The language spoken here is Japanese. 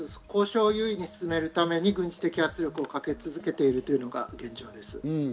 交渉を優位に進めるために軍事的圧力をかけ続けているというのが現状です。